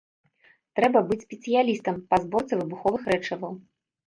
Трэба быць спецыялістам па зборцы выбуховых рэчываў.